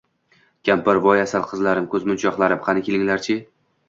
Kampir: voy asal qizlarim, ko’zmunchoqlarim qani kelilarchi.